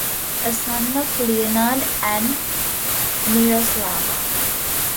A son of Leonard and Miroslawa.